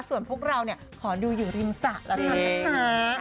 ส่วนพวกเราขอดูอยู่ริมสระแล้วกันนะคะ